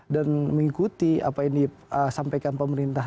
dan mengikuti apa yang disampaikan pemerintah